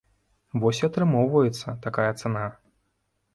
Вось і атрымоўваецца такая цана.